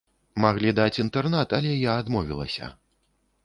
Маглі даць інтэрнат, але я адмовілася.